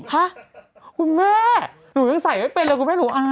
ฮะคุณแม่หนูยังใส่ไม่เป็นเลยหนูไม่รู้อ่า